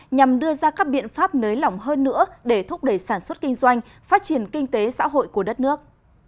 nhằm đưa ra các biện pháp nới lỏng hơn nữa để thúc đẩy sản xuất kinh doanh phát triển kinh tế xã hội của đất nước